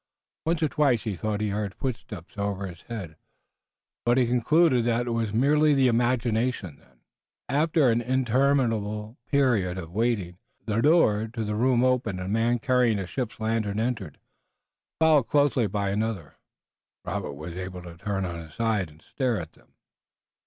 Once or twice he thought he heard footsteps over his head, but he concluded that it was merely the imagination. Then, after an interminable period of waiting, the door to the room opened and a man carrying a ship's lantern entered, followed closely by another. Robert was able to turn on his side and stare at them.